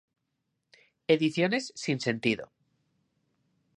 Ediciones Sinsentido.